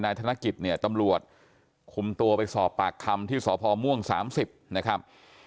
ธนกิจเนี่ยตำรวจคุมตัวไปสอบปากคำที่สพม่วง๓๐นะครับ